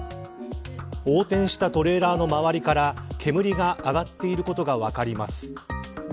横転したトレーダーの周りから煙が上がっていることが分かります。